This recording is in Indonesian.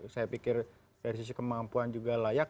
saya pikir dari sisi kemampuan juga layak